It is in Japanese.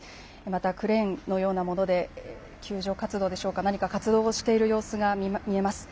またクレーンのようなもので救助活動でしょうか、何か活動をしている様子が見えます。